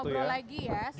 jurusnya kayak gimana tuh ya